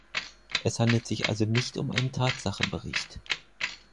Es handelt sich also nicht um einen Tatsachenbericht.